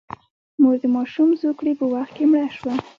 مور د ماشوم زوکړې په وخت کې مړه شوه.